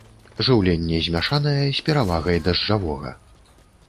Жыўленне змяшанае, з перавагай дажджавога.